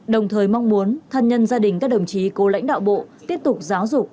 đồng thời mong muốn thân nhân gia đình các đồng chí cố lãnh đạo bộ tiếp tục giáo dục